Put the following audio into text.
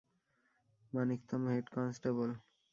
Manickam, head constable.